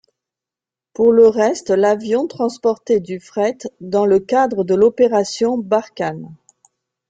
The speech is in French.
Pour le reste l'avion transportait du fret dans le cadre de l'opération Barkhane.